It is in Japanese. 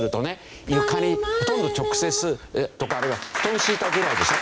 床にほとんど直接とかあるいは布団を敷いたぐらいでしょ。